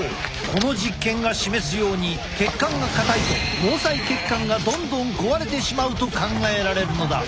この実験が示すように血管が硬いと毛細血管がどんどん壊れてしまうと考えられるのだ。